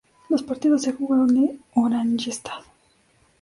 Los partidos se jugaron en Oranjestad.